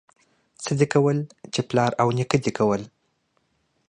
څه دي کول، چې پلار او نيکه دي کول.